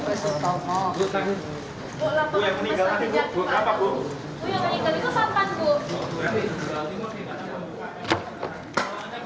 bu yang meninggal itu sampan bu